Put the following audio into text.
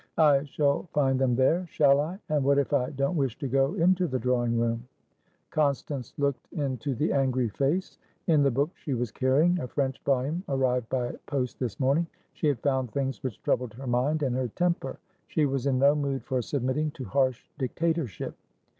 "I shall find them there, shall I? And what if I don't wish to go into the drawing room?" Constance looked into the angry face. In the book she was carrying, a French volume arrived by post this morning, she had found things which troubled her mind and her temper; she was in no mood for submitting to harsh dictatorship.